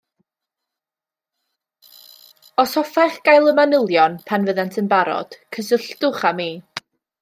Os hoffech gael y manylion pan fyddant yn barod, cysylltwch â mi